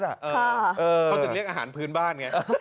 เขาจะเรียกอาหารพื้นบ้านไง